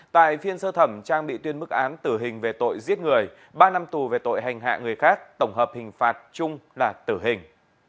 tại phiên sơ thẩm trang bị tuyên mức án tử hình về tội giết người ba năm tù về tội hành hạ người khác tổng hợp hình phạt chung là tử hình